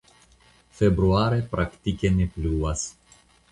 Februare praktike ne pluvas.